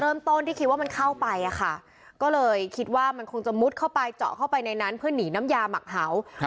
เริ่มต้นที่คิดว่ามันเข้าไปอะค่ะก็เลยคิดว่ามันคงจะมุดเข้าไปเจาะเข้าไปในนั้นเพื่อหนีน้ำยาหมักเห่า